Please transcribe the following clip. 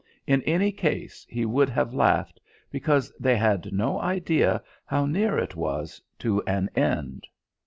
In any case he would have laughed, because they had no idea how near it was to an end.